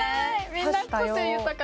みんな個性豊かで。